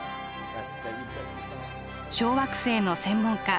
小惑星の専門家